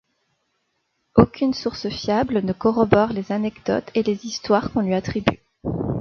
Aucune source fiable ne corrobore les anecdotes et les histoires qu'on lui attribue.